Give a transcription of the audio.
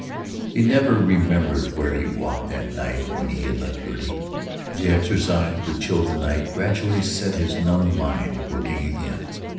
He never remembered where he walked that night when he had left Gertie. The exercise, the chill of the night, gradually set his numbed mind working again.